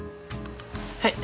はい。